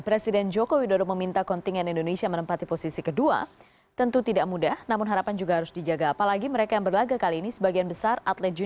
presiden jokowi menjanjikan bonus kepada para atlet jika menembus peringkat dua besar